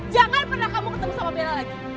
jangan pernah kamu ketemu sama bella lagi